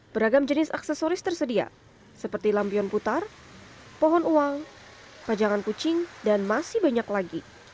beragam jenis aksesoris tersedia seperti lampion putar pohon uang pajangan kucing dan masih banyak lagi